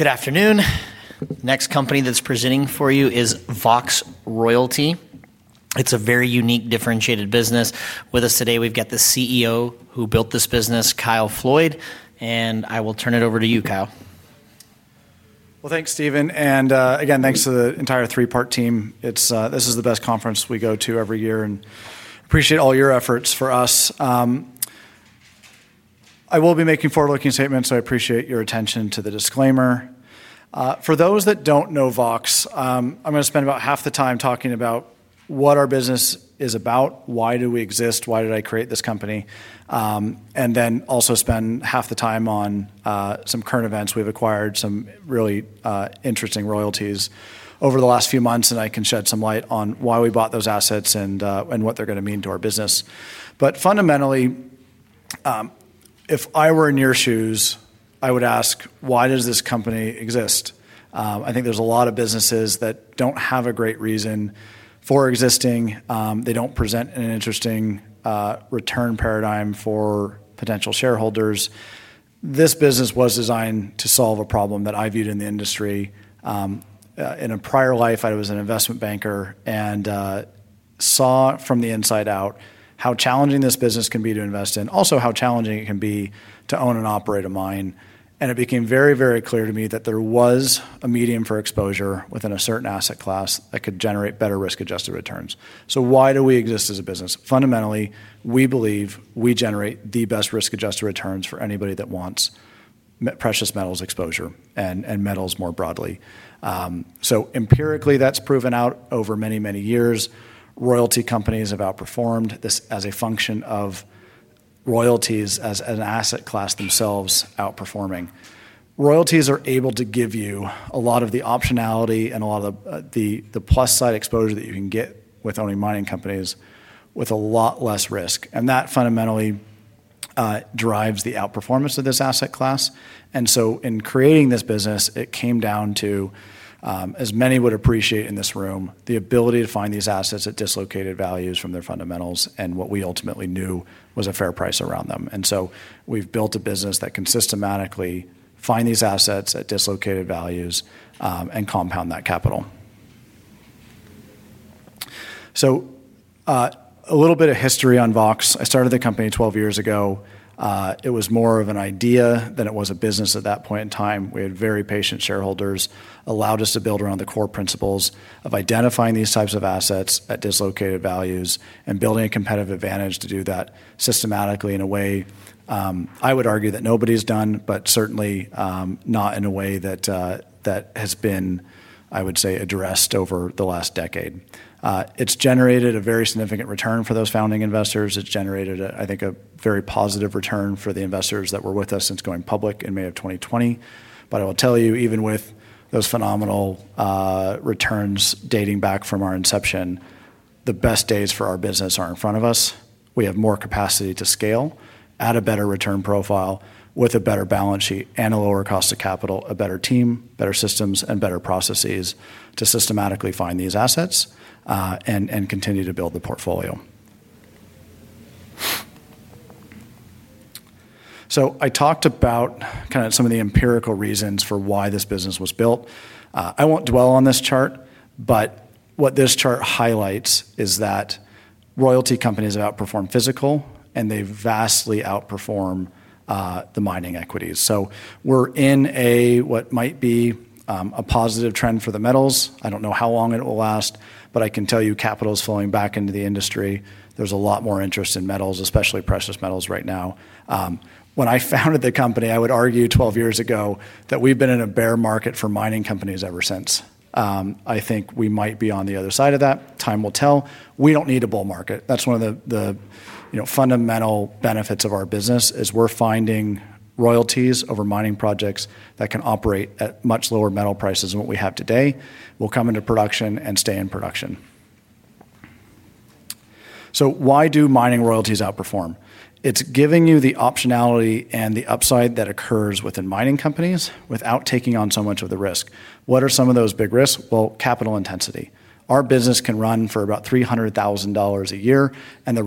Good afternoon. Next company that's presenting for you is Vox Royalty. It's a very unique, differentiated business. With us today, we've got the CEO who built this business, Kyle Floyd, and I will turn it over to you, Kyle. Thank you, Steven, and again, thanks to the entire 3PART team. This is the best conference we go to every year, and I appreciate all your efforts for us. I will be making forward-looking statements, so I appreciate your attention to the disclaimer. For those that don't know Vox, I'm going to spend about half the time talking about what our business is about, why we exist, why I created this company, and then also spend half the time on some current events. We've acquired some really interesting royalties over the last few months, and I can shed some light on why we bought those assets and what they're going to mean to our business. Fundamentally, if I were in your shoes, I would ask, why does this company exist? I think there's a lot of businesses that don't have a great reason for existing. They don't present an interesting return paradigm for potential shareholders. This business was designed to solve a problem that I viewed in the industry. In a prior life, I was an investment banker and saw from the inside out how challenging this business can be to invest in, also how challenging it can be to own and operate a mine. It became very, very clear to me that there was a medium for exposure within a certain asset class that could generate better risk-adjusted returns. Why do we exist as a business? Fundamentally, we believe we generate the best risk-adjusted returns for anybody that wants precious metals exposure and metals more broadly. Empirically, that's proven out over many, many years. Royalty companies have outperformed this as a function of royalties as an asset class themselves outperforming. Royalties are able to give you a lot of the optionality and a lot of the plus-side exposure that you can get with owning mining companies with a lot less risk. That fundamentally drives the outperformance of this asset class. In creating this business, it came down to, as many would appreciate in this room, the ability to find these assets at dislocated values from their fundamentals and what we ultimately knew was a fair price around them. We've built a business that can systematically find these assets at dislocated values and compound that capital. A little bit of history on Vox. I started the company 12 years ago. It was more of an idea than it was a business at that point in time. We had very patient shareholders, allowed us to build around the core principles of identifying these types of assets at dislocated values and building a competitive advantage to do that systematically in a way I would argue that nobody's done, but certainly not in a way that has been, I would say, addressed over the last decade. It's generated a very significant return for those founding investors. It's generated, I think, a very positive return for the investors that were with us since going public in May of 2020. I will tell you, even with those phenomenal returns dating back from our inception, the best days for our business are in front of us. We have more capacity to scale at a better return profile with a better balance sheet and a lower cost of capital, a better team, better systems, and better processes to systematically find these assets and continue to build the portfolio. I talked about kind of some of the empirical reasons for why this business was built. I won't dwell on this chart, but what this chart highlights is that royalty companies outperform physical, and they vastly outperform the mining equities. We're in what might be a positive trend for the metals. I don't know how long it will last, but I can tell you capital is flowing back into the industry. There's a lot more interest in metals, especially precious metals right now. When I founded the company, I would argue 12 years ago that we've been in a bear market for mining companies ever since. I think we might be on the other side of that. Time will tell. We don't need a bull market. That's one of the fundamental benefits of our business is we're finding royalties over mining projects that can operate at much lower metal prices than what we have today. We'll come into production and stay in production. Why do mining royalties outperform? It's giving you the optionality and the upside that occurs within mining companies without taking on so much of the risk. What are some of those big risks? Capital intensity. Our business can run for about $300,000 a year, and the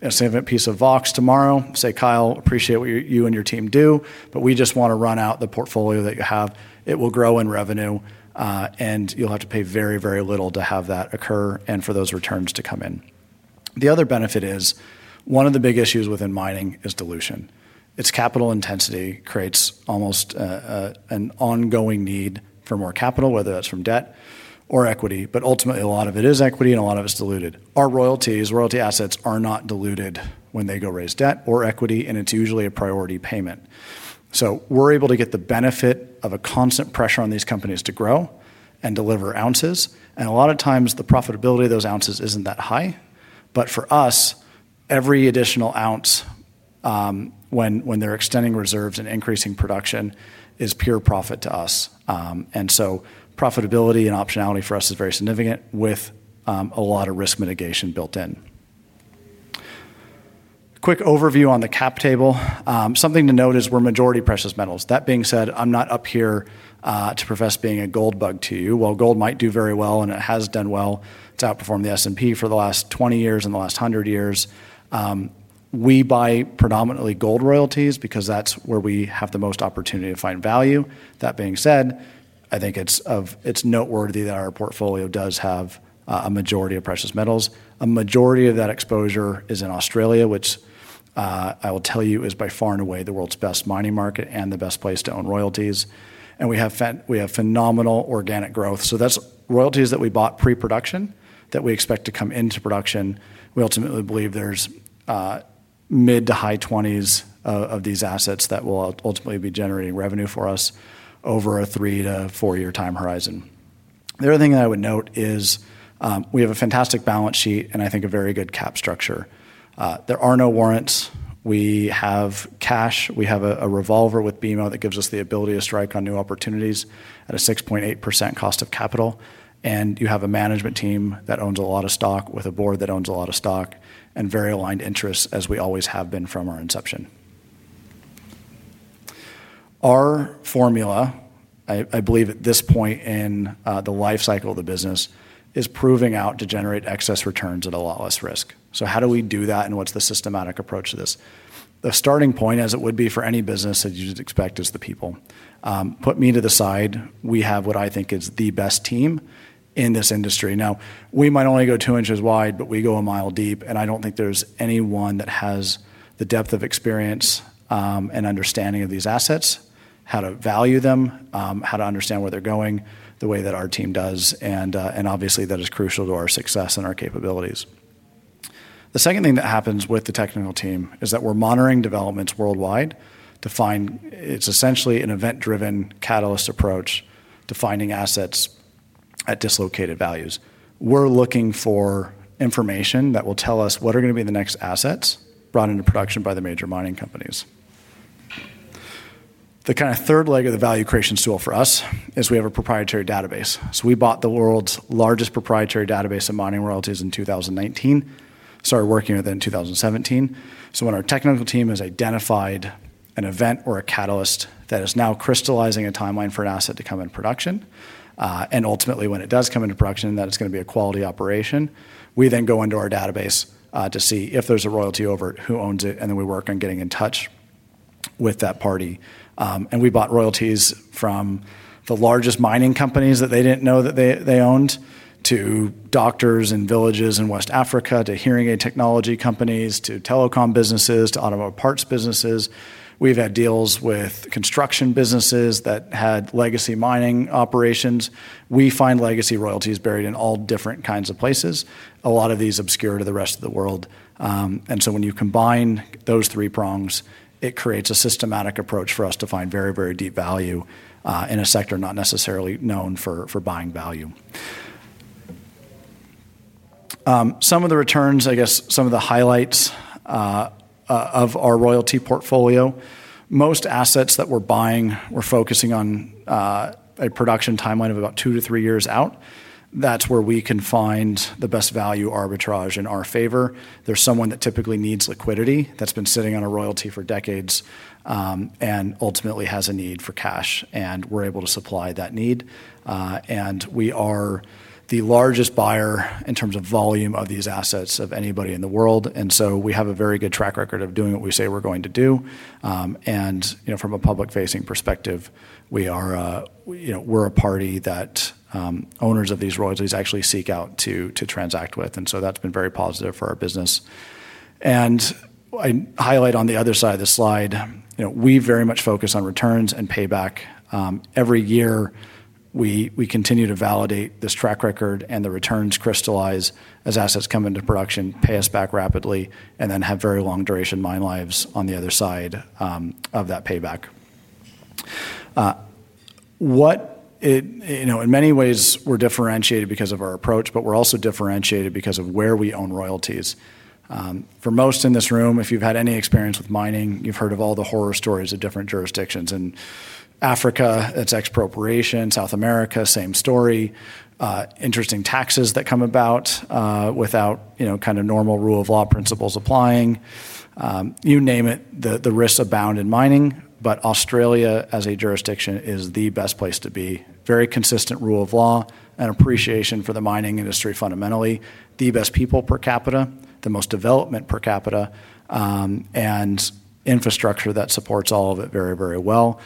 revenue will grow. You could buy a significant piece of Vox tomorrow, say, "Kyle, appreciate what you and your team do, but we just want to run out the portfolio that you have." It will grow in revenue, and you'll have to pay very, very little to have that occur and for those returns to come in. The other benefit is one of the big issues within mining is dilution. Its capital intensity creates almost an ongoing need for more capital, whether that's from debt or equity. Ultimately, a lot of it is equity, and a lot of it's diluted. Our royalties, royalty assets, are not diluted when they go raise debt or equity, and it's usually a priority payment. We're able to get the benefit of a constant pressure on these companies to grow and deliver ounces. A lot of times, the profitability of those ounces isn't that high. For us, every additional ounce when they're extending reserves and increasing production is pure profit to us. Profitability and optionality for us is very significant with a lot of risk mitigation built in. Quick overview on the cap table. Something to note is we're majority precious metals. That being said, I'm not up here to profess being a gold bug to you. While gold might do very well, and it has done well to outperform the S&P for the last 20 years and the last 100 years, we buy predominantly gold royalties because that's where we have the most opportunity to find value. That being said, I think it's noteworthy that our portfolio does have a majority of precious metals. A majority of that exposure is in Australia, which I will tell you is by far and away the world's best mining market and the best place to own royalties. We have phenomenal organic growth. That's royalties that we bought pre-production that we expect to come into production. We ultimately believe there's mid to high 20s of these assets that will ultimately be generating revenue for us over a three to four-year time horizon. The other thing that I would note is we have a fantastic balance sheet and I think a very good cap structure. There are no warrants. We have cash. We have a revolver with Bank of Montreal that gives us the ability to strike on new opportunities at a 6.8% cost of capital. You have a management team that owns a lot of stock with a board that owns a lot of stock and very aligned interests, as we always have been from our inception. Our formula, I believe, at this point in the lifecycle of the business, is proving out to generate excess returns at a lot less risk. How do we do that, and what's the systematic approach to this? The starting point, as it would be for any business that you'd expect, is the people. Put me to the side. We have what I think is the best team in this industry. We might only go two inches wide, but we go a mile deep. I don't think there's anyone that has the depth of experience and understanding of these assets, how to value them, how to understand where they're going the way that our team does. Obviously, that is crucial to our success and our capabilities. The second thing that happens with the technical team is that we're monitoring developments worldwide. It's essentially an event-driven catalyst approach to finding assets at dislocated values. We're looking for information that will tell us what are going to be the next assets brought into production by the major mining companies. The kind of third leg of the value creation stool for us is we have a proprietary database. We bought the world's largest proprietary database of mining royalties in 2019, started working with it in 2017. When our technical team has identified an event or a catalyst that is now crystallizing a timeline for an asset to come in production, and ultimately, when it does come into production, that it's going to be a quality operation, we then go into our database to see if there's a royalty over it, who owns it, and then we work on getting in touch with that party. We bought royalties from the largest mining companies that they didn't know that they owned, to doctors and villages in West Africa, to hearing aid technology companies, to telecom businesses, to automotive parts businesses. We've had deals with construction businesses that had legacy mining operations. We find legacy royalties buried in all different kinds of places, a lot of these obscure to the rest of the world. When you combine those three prongs, it creates a systematic approach for us to find very, very deep value in a sector not necessarily known for buying value. Some of the returns, I guess, some of the highlights of our royalty portfolio, most assets that we're buying, we're focusing on a production timeline of about two to three years out. That's where we can find the best value arbitrage in our favor. There's someone that typically needs liquidity that's been sitting on a royalty for decades and ultimately has a need for cash, and we're able to supply that need. We are the largest buyer in terms of volume of these assets of anybody in the world. We have a very good track record of doing what we say we're going to do. From a public-facing perspective, we're a party that owners of these royalties actually seek out to transact with. That's been very positive for our business. I highlight on the other side of the slide, we very much focus on returns and payback. Every year, we continue to validate this track record, and the returns crystallize as assets come into production, pay us back rapidly, and then have very long-duration mine lives on the other side of that payback. In many ways, we're differentiated because of our approach, but we're also differentiated because of where we own royalties. For most in this room, if you've had any experience with mining, you've heard of all the horror stories of different jurisdictions in Africa, its expropriation, South America, same story, interesting taxes that come about without kind of normal rule of law principles applying. You name it, the risks abound in mining. Australia as a jurisdiction is the best place to be. Very consistent rule of law and appreciation for the mining industry fundamentally, the best people per capita, the most development per capita, and infrastructure that supports all of it very, very well.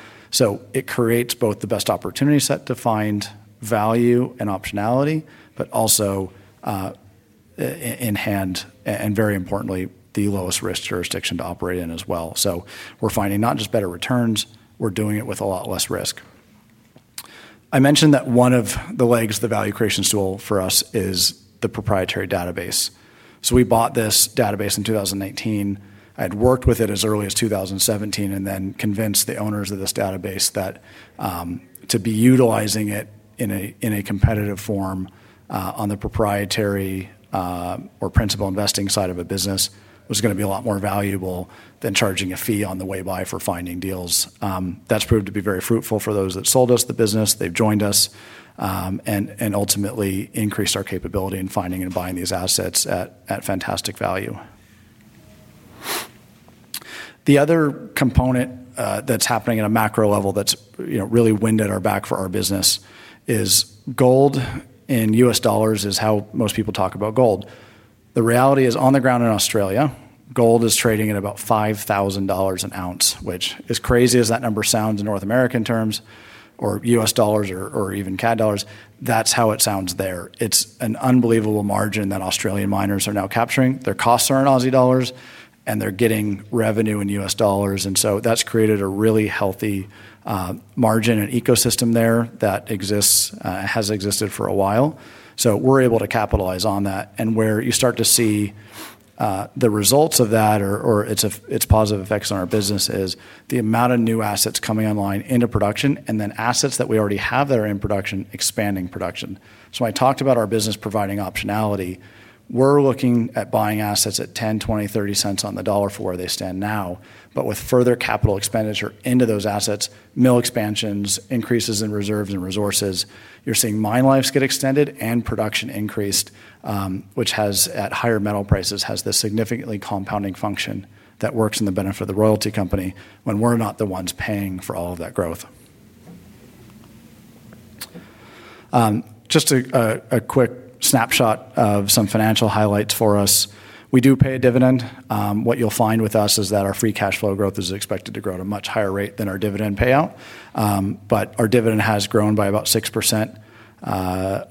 It creates both the best opportunity set to find value and optionality, and very importantly, the lowest risk jurisdiction to operate in as well. We're finding not just better returns, we're doing it with a lot less risk. I mentioned that one of the legs of the value creation stool for us is the proprietary database. We bought this database in 2019. I'd worked with it as early as 2017 and then convinced the owners of this database that to be utilizing it in a competitive form on the proprietary or principal investing side of a business was going to be a lot more valuable than charging a fee on the way by for finding deals. That's proved to be very fruitful for those that sold us the business. They've joined us and ultimately increased our capability in finding and buying these assets at fantastic value. The other component that's happening at a macro level that's really wind at our back for our business is gold in U.S. dollars is how most people talk about gold. The reality is on the ground in Australia, gold is trading at about $5,000 an ounce, which, as crazy as that number sounds in North American terms or U.S. dollars or even CAD dollars, that's how it sounds there. It's an unbelievable margin that Australian miners are now capturing. Their costs are in Aussie dollars, and they're getting revenue in U.S. dollars. That's created a really healthy margin and ecosystem there that exists and has existed for a while. We're able to capitalize on that. Where you start to see the results of that or its positive effects on our business is the amount of new assets coming online into production and then assets that we already have that are in production expanding production. When I talked about our business providing optionality, we're looking at buying assets at $0.10, $0.20, $0.30 on the dollar for where they stand now. With further capital expenditure into those assets, mill expansions, increases in reserves and resources, you're seeing mine lives get extended and production increased, which at higher metal prices has this significantly compounding function that works in the benefit of the royalty company when we're not the ones paying for all of that growth. Just a quick snapshot of some financial highlights for us. We do pay a dividend. What you'll find with us is that our free cash flow growth is expected to grow at a much higher rate than our dividend payout. Our dividend has grown by about 6%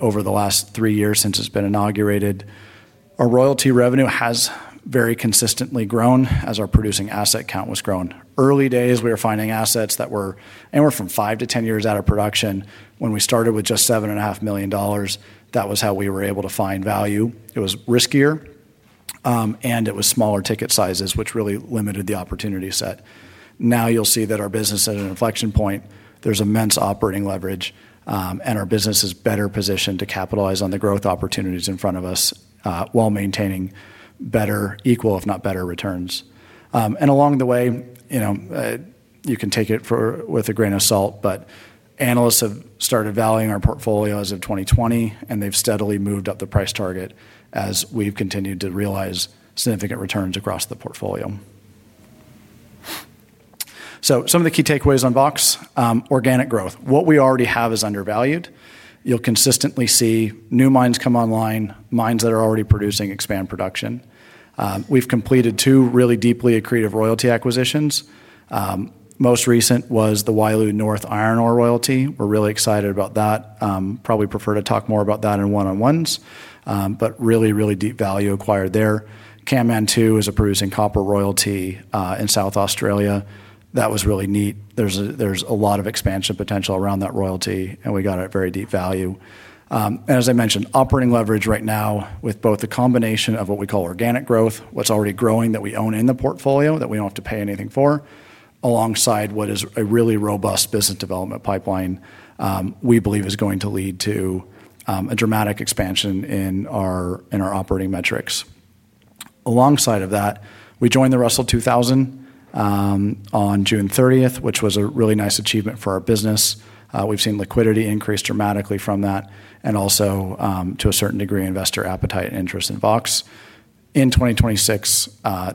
over the last three years since it's been inaugurated. Our royalty revenue has very consistently grown as our producing asset count was growing. Early days, we were finding assets that were anywhere from 5-10 years out of production. When we started with just $7.5 million, that was how we were able to find value. It was riskier, and it was smaller ticket sizes, which really limited the opportunity set. Now you'll see that our business is at an inflection point. There's immense operating leverage, and our business is better positioned to capitalize on the growth opportunities in front of us while maintaining better, equal, if not better, returns. Along the way, you can take it with a grain of salt, but analysts have started valuing our portfolio as of 2020, and they've steadily moved up the price target as we've continued to realize significant returns across the portfolio. Some of the key takeaways on Vox: organic growth. What we already have is undervalued. You'll consistently see new mines come online, mines that are already producing expand production. We've completed two really deeply accretive royalty acquisitions. Most recent was the Wylou North Iron Ore Royalty. We're really excited about that. Probably prefer to talk more about that in one-on-ones, but really, really deep value acquired there. Camman 2 is a producing copper royalty in South Australia. That was really neat. There's a lot of expansion potential around that royalty, and we got it at very deep value. As I mentioned, operating leverage right now with both the combination of what we call organic growth, what's already growing that we own in the portfolio that we don't have to pay anything for, alongside what is a really robust business development pipeline, we believe is going to lead to a dramatic expansion in our operating metrics. Alongside that, we joined the Russell 2000 on June 30, which was a really nice achievement for our business. We've seen liquidity increase dramatically from that and also, to a certain degree, investor appetite and interest in Vox. In 2026,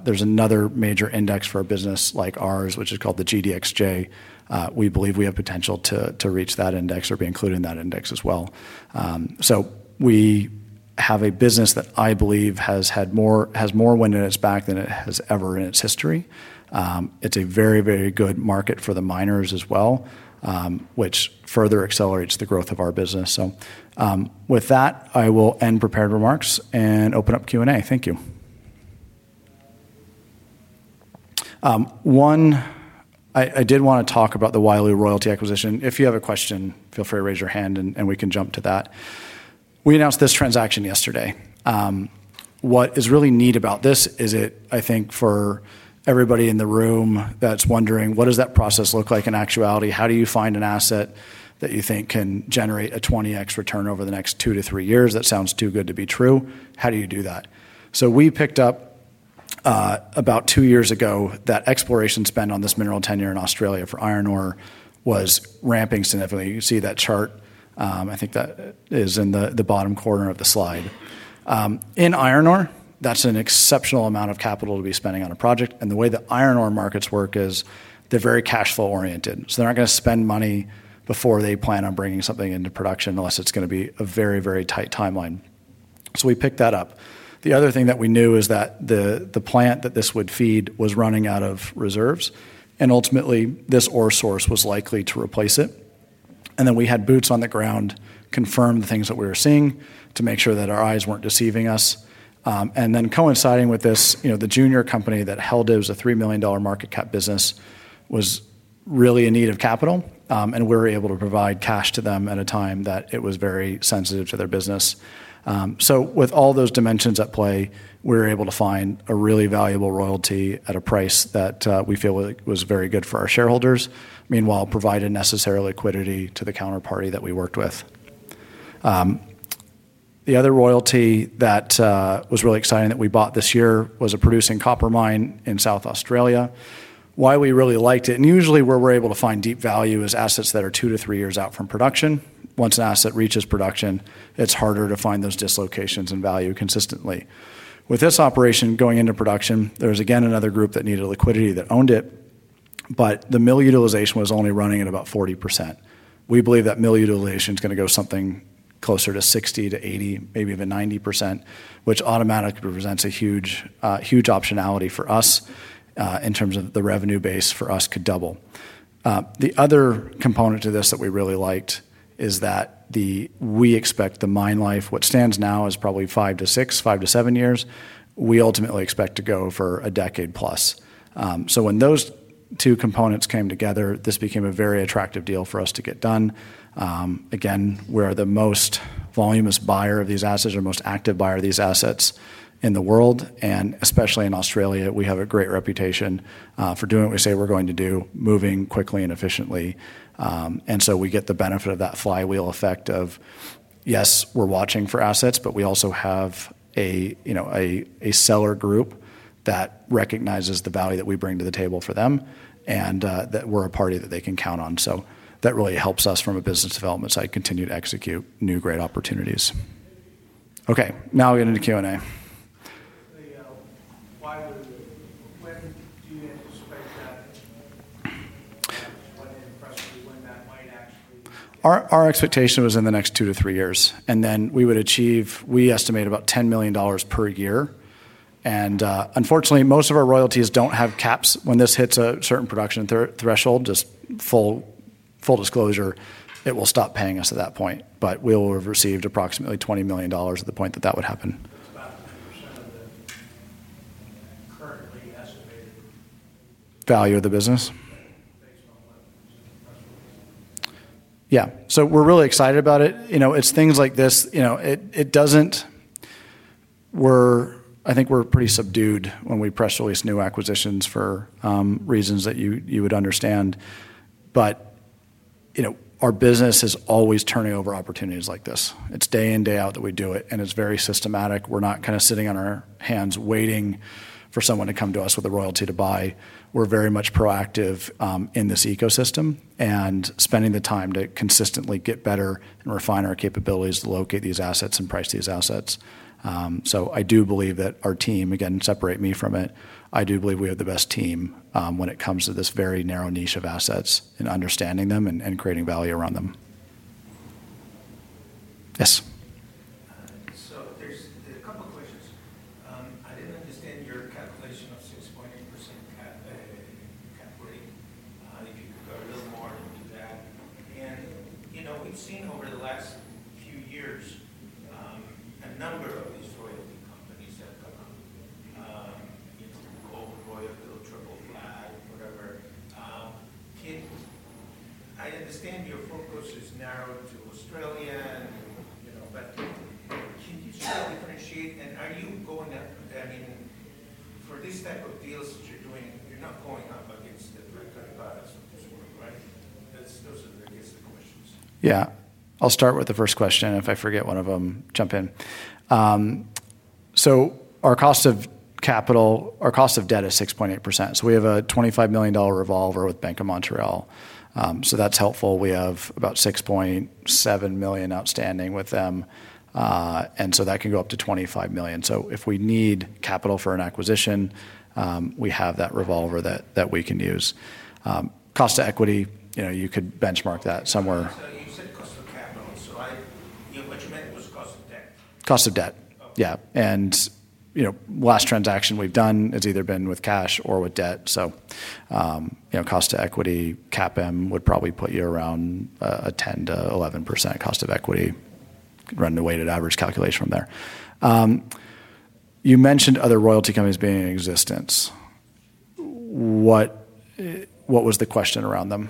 there's another major index for a business like ours, which is called the GDXJ. We believe we have potential to reach that index or be included in that index as well. We have a business that I believe has more wind in its back than it has ever in its history. It's a very, very good market for the miners as well, which further accelerates the growth of our business. With that, I will end prepared remarks and open up Q&A. Thank you. I did want to talk about the Wylou North Iron Ore Royalty acquisition. If you have a question, feel free to raise your hand, and we can jump to that. We announced this transaction yesterday. What is really neat about this is it, I think, for everybody in the room that's wondering, what does that process look like in actuality? How do you find an asset that you think can generate a 20x return over the next two to three years? That sounds too good to be true. How do you do that? We picked up about two years ago that exploration spend on this mineral tenure in Australia for iron ore was ramping significantly. You can see that chart. I think that is in the bottom corner of the slide. In iron ore, that's an exceptional amount of capital to be spending on a project. The way the iron ore markets work is they're very cash flow oriented. They're not going to spend money before they plan on bringing something into production unless it's going to be a very, very tight timeline. We picked that up. The other thing that we knew is that the plant that this would feed was running out of reserves, and ultimately, this ore source was likely to replace it. We had boots on the ground confirm the things that we were seeing to make sure that our eyes weren't deceiving us. Then coinciding with this, the junior company that held it was a $3 million market cap business, was really in need of capital, and we were able to provide cash to them at a time that it was very sensitive to their business. With all those dimensions at play, we were able to find a really valuable royalty at a price that we feel was very good for our shareholders, meanwhile providing necessary liquidity to the counterparty that we worked with. The other royalty that was really exciting that we bought this year was a producing copper mine in South Australia. Why we really liked it, and usually where we're able to find deep value, is assets that are two to three years out from production. Once an asset reaches production, it's harder to find those dislocations in value consistently. With this operation going into production, there was again another group that needed liquidity that owned it, but the mill utilization was only running at about 40%. We believe that mill utilization is going to go something closer to 60%-80%, maybe even 90%, which automatically presents a huge optionality for us in terms of the revenue base for us could double. The other component to this that we really liked is that we expect the mine life, what stands now as probably five to six, five to seven years, we ultimately expect to go for a decade plus. When those two components came together, this became a very attractive deal for us to get done. We are the most voluminous buyer of these assets, our most active buyer of these assets in the world, and especially in Australia, we have a great reputation for doing what we say we're going to do, moving quickly and efficiently. We get the benefit of that flywheel effect of, yes, we're watching for assets, but we also have a seller group that recognizes the value that we bring to the table for them and that we're a party that they can count on. That really helps us from a business development side continue to execute new great opportunities. OK, now we get into Q&A. Our expectation was in the next two to three years, and then we would achieve, we estimate about $10 million per year. Unfortunately, most of our royalties don't have caps. When this hits a certain production threshold, just full disclosure, it will stop paying us at that point. We will have received approximately $20 million at the point that that would happen. Value of the business. Yeah, so we're really excited about it. It's things like this. I think we're pretty subdued when we press release new acquisitions for reasons that you would understand. Our business is always turning over opportunities like this. It's day in, day out that we do it, and it's very systematic. We're not kind of sitting on our hands waiting for someone to come to us with a royalty to buy. We're very much proactive in this ecosystem and spending the time to consistently get better and refine our capabilities to locate these assets and price these assets. I do believe that our team, again, separate me from it, I do believe we have the best team when it comes to this very narrow niche of assets and understanding them and creating value around them. Yes. There are a couple of questions. I didn't understand your calculation of 6.8% cap rate. If you could go a little more into that. You know we've seen over the last few years a number of these royalty companies that have come up. You've done Gold Royal, Triple Flag, whatever. I understand your focus is narrowed to Australia, but can you still differentiate? Are you going up then even for these type of deals that you're doing? You're not going up against the direct kind of product. I'll start with the first question. If I forget one of them, jump in. Our cost of capital, our cost of debt is 6.8%. We have a $25 million revolver with Bank of Montreal. That's helpful. We have about $6.7 million outstanding with them, and that can go up to $25 million. If we need capital for an acquisition, we have that revolver that we can use. Cost to equity, you could benchmark that somewhere. You said cost of capital. What you meant was? Cost of debt, yeah. The last transaction we've done has either been with cash or with debt. Cost to equity, CAPM would probably put you around a 10%-11% cost of equity. Run the weighted average calculation from there. You mentioned other royalty companies being in existence. What was the question around them?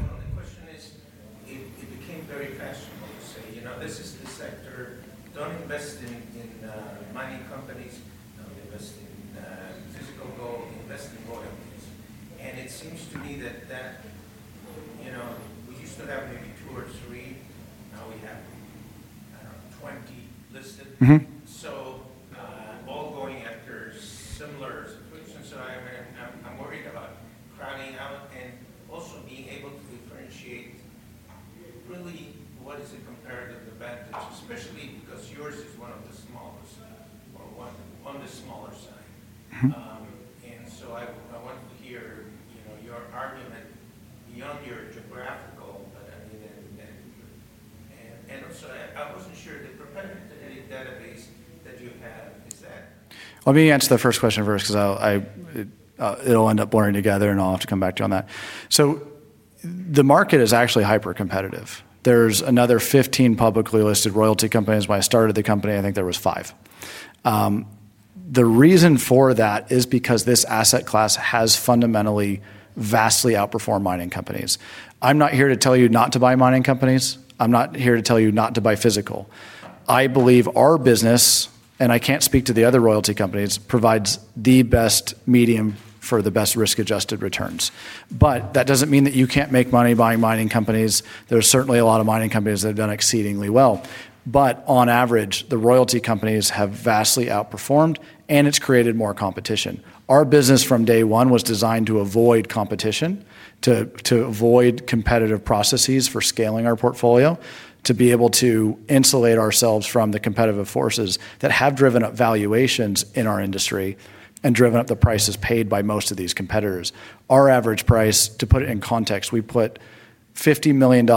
Let me answer the first question first because it'll end up blurring together, and I'll have to come back to you on that. The market is actually hyper-competitive. There's another 15 publicly listed royalty companies. When I started the company, I think there was five. The reason for that is because this asset class has fundamentally vastly outperformed mining companies. I'm not here to tell you not to buy mining companies. I'm not here to tell you not to buy physical. I believe our business, and I can't speak to the other royalty companies, provides the best medium for the best risk-adjusted returns. That doesn't mean that you can't make money buying mining companies. There's certainly a lot of mining companies that have done exceedingly well. On average, the royalty companies have vastly outperformed, and it's created more competition. Our business from day one was designed to avoid competition, to avoid competitive processes for scaling our portfolio, to be able to insulate ourselves from the competitive forces that have driven up valuations in our industry and driven up the prices paid by most of these competitors. Our average price, to put it in context, we put $50 million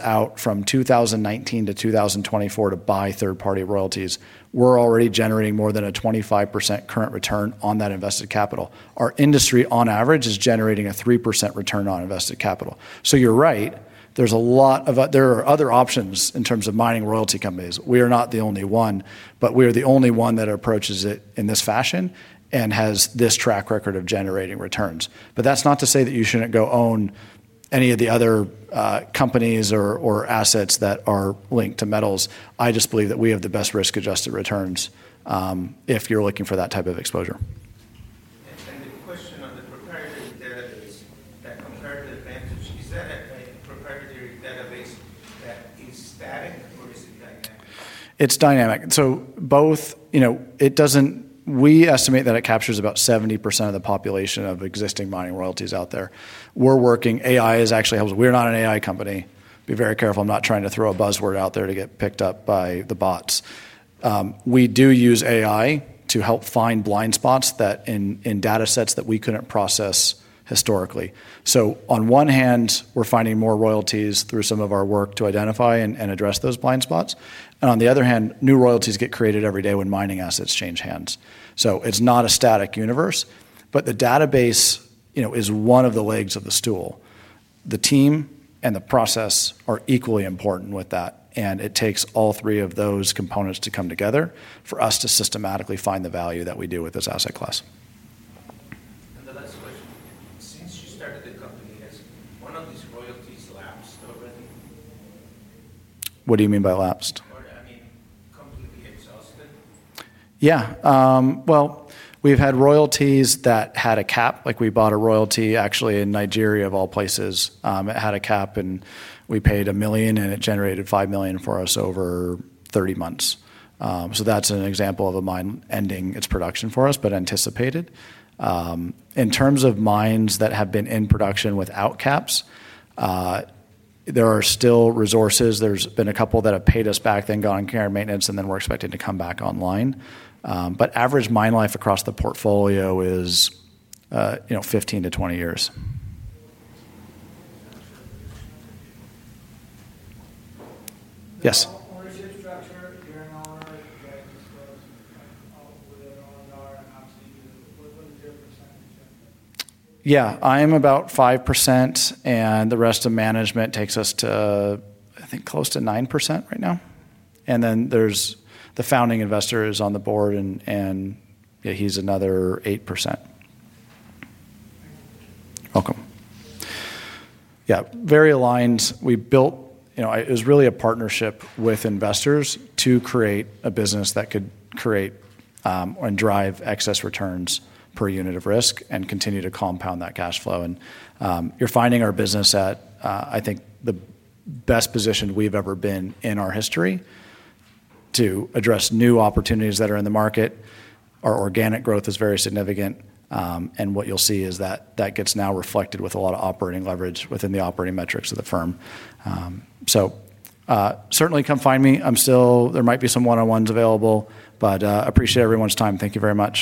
out from 2019 to 2024 to buy third-party royalties. We're already generating more than a 25% current return on that invested capital. Our industry, on average, is generating a 3% return on invested capital. You're right. There are other options in terms of mining royalty companies. We are not the only one, but we are the only one that approaches it in this fashion and has this track record of generating returns. That's not to say that you shouldn't go own any of the other companies or assets that are linked to metals. I just believe that we have the best risk-adjusted returns if you're looking for that type of exposure. On the proprietary database, that comparative advantage, is that a proprietary database that is static or is it dynamic? It's dynamic. Both, you know, it doesn't, we estimate that it captures about 70% of the population of existing mining royalties out there. We're working, AI is actually helpful. We're not an AI company. Be very careful. I'm not trying to throw a buzzword out there to get picked up by the bots. We do use AI to help find blind spots in data sets that we couldn't process historically. On one hand, we're finding more royalties through some of our work to identify and address those blind spots. On the other hand, new royalties get created every day when mining assets change hands. It's not a static universe, but the database is one of the legs of the stool. The team and the process are equally important with that, and it takes all three of those components to come together for us to systematically find the value that we do with this asset class. The last question, since you started the company, yes, one of these royalties. What do you mean by lapsed? We've had royalties that had a cap. Like we bought a royalty actually in Nigeria, of all places. It had a cap, and we paid $1 million, and it generated $5 million for us over 30 months. That's an example of a mine ending its production for us, but anticipated. In terms of mines that have been in production without caps, there are still resources. There's been a couple that have paid us back, then gone into care and maintenance, and we're expecting to come back online. Average mine life across the portfolio is 15-20 years. Yes. How is your track record during all that? Yeah, I'm about 5%, and the rest of management takes us to, I think, close to 9% right now. There's the founding investor on the board, and yeah, he's another 8%. Very aligned. We built, you know, it was really a partnership with investors to create a business that could create and drive excess returns per unit of risk and continue to compound that cash flow. You're finding our business at, I think, the best position we've ever been in our history to address new opportunities that are in the market. Our organic growth is very significant, and what you'll see is that that gets now reflected with a lot of operating leverage within the operating metrics of the firm. Certainly come find me. I'm still, there might be some one-on-ones available, but I appreciate everyone's time. Thank you very much.